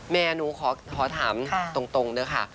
แม่หนูขอถามตรงด้วยค่ะ